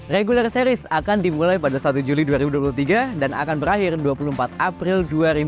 regular series akan dimulai pada satu juli dua ribu dua puluh tiga dan akan berakhir dua puluh empat april dua ribu dua puluh